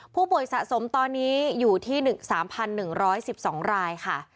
ผู้ป่วยสะสมตอนนี้อยู่ที่๓๑๑๒รายค่ะ